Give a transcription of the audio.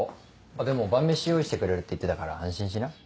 でも晩飯用意してくれるって言ってたから安心しな。